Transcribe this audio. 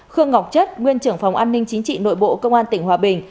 khương ngọc chất nguyên trưởng phòng an ninh chính trị nội bộ công an tỉnh hòa bình